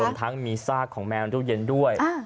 รวมทั้งมีซากของแมวรุ่นเย็นด้วย